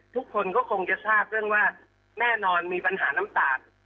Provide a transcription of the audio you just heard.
ทุกคนก็คงจะทราบเรื่องว่าแน่นอนมีปัญหาน้ำตาล